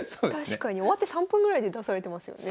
確かに終わって３分ぐらいで出されてますよね。